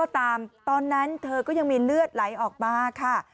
ตามตอนนั้นเธอก็ยังมีเลือดไหลออกมาค่ะ